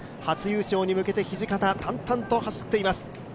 初優勝に向けて土方、淡々と走っています。